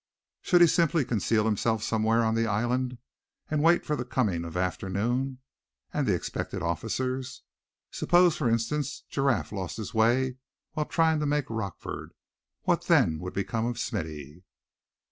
Should he simply conceal himself somewhere on the island, and wait for the coming of afternoon, and the expected officers? Suppose, for instance, Giraffe lost his way while trying to make Rockford, what then would become of Smithy?